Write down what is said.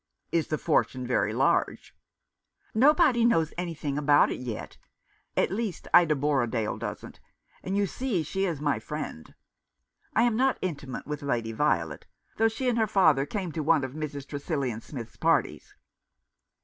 " Is the fortune very large ?"" Nobody knows anything about it, yet — at least, Ida Borrodaile doesn't ; and, you see, she is my friend. I am not intimate with Lady Violet, though she and her father came to one of Mrs. Tresillian Smith's parties."